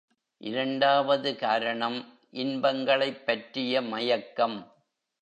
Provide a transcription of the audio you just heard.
இரண்டாவது காரணம் இன்பங்களைப் பற்றிய மயக்கம்.